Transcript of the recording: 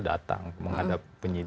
kalau tersangka atau saksi dipanggil